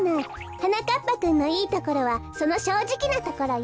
はなかっぱくんのいいところはそのしょうじきなところよ。